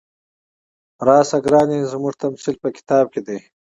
راشه ګرانې زموږ تمثیل په کتاب کې دی.